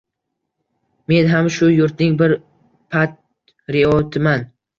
Men ham shu yurtning bir patriotiman.